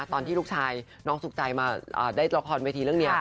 ตอนที่ลูกชายน้องสุขใจมาได้ละครเวทีเรื่องนี้